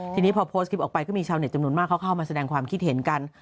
ทีนี้พอโพสต์คลิปออกไปก็มีชาวเน็ตจำนวนมากเขาเข้ามาแสดงความคิดเห็นกัน